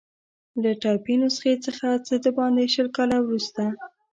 له ټایپي نسخې څخه څه باندې شل کاله وروسته.